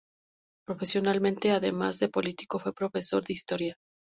Profesionalmente, además de político, fue profesor de Historia.